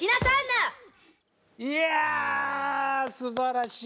いやすばらしい。